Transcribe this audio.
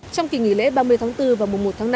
trong kỳ nghỉ lễ ba mươi tháng bốn và mùa một tháng năm